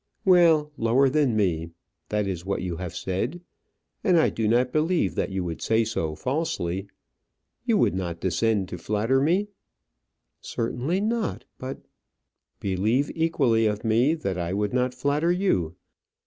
"Well lower than me. That is what you have said, and I do not believe that you would say so falsely. You would not descend to flatter me?" "Certainly not; but " "Believe equally of me that I would not flatter you.